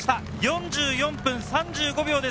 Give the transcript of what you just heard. ４４分３５秒です。